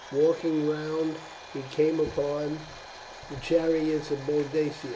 Walking round he came upon the chariot of Boadicea.